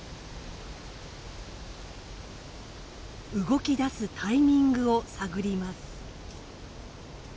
動き出すタイミングを探ります。